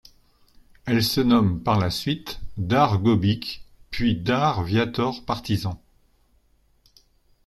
Elle se nomme par la suite Dare Gobic puis Dare Viator Partizan.